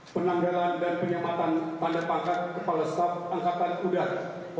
penanggalan dan penyelamatan tanda pangkat kepala staf angkatan udara